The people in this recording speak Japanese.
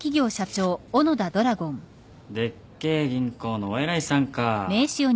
でっけえ銀行のお偉いさんか。